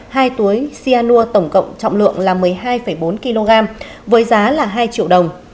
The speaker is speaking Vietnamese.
hai túi sianua tổng cộng trọng lượng là một mươi hai bốn kg với giá là hai triệu đồng